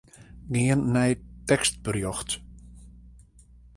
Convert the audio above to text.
Gean nei tekstberjocht.